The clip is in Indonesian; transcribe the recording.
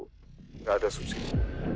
enggak ada subsidi